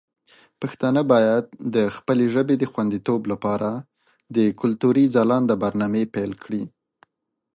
پښتانه باید د خپلې ژبې د خوندیتوب لپاره د کلتوري ځلانده برنامې پیل کړي.